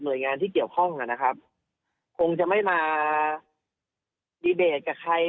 หน่วยงานที่เกี่ยวข้องอ่ะนะครับคงจะไม่มากับใคร